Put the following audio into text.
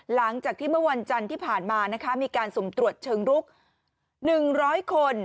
หลังจากที่เมื่อวันจันทร์ที่ผ่านมานะคะมีการสุ่มตรวจเชิงรุก๑๐๐คน